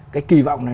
cái kỳ vọng này